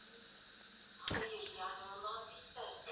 mimina kwenye sufuria safi